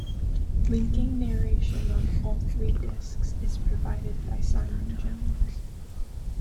Linking narration on all three discs is provided by Simon Jones.